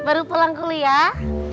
baru pulang kuliah